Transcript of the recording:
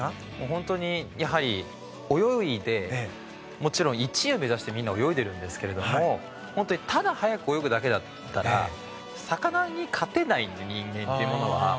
ホントにやはり泳いでもちろん１位を目指してみんな泳いでるんですけれどもホントにただ速く泳ぐだけだったら魚に勝てないんで人間っていうものは。